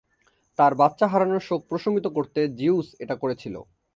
তার বাচ্চা হারানোর শোক প্রশমিত করতে জিউস এটা করেছিল।